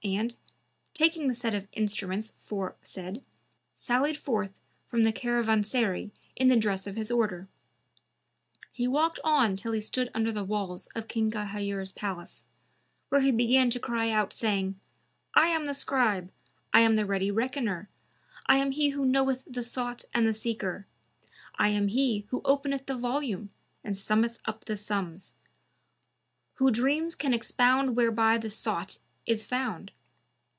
and, taking the set of instruments aforesaid, sallied forth from the caravanserai in the dress of his order. He walked on till he stood under the walls of King Ghayur's palace, where he began to cry out, saying, "I am the Scribe, I am the ready Reckoner, I am he who knoweth the Sought and the Seeker; I am he who openeth the Volume and summeth up the Sums;[FN#300] who Dreams can expound whereby the sought is found!